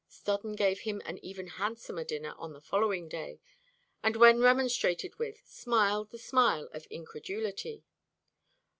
Stodden gave him an even handsomer dinner on the following day, and when remonstrated with smiled the smile of incredulity.